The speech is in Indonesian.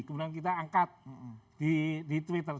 kemudian kita angkat di twitter